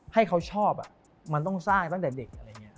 ให้เขาชอบมันต้องสร้างตั้งแต่เด็ก